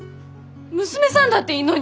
娘さんだっていんのに？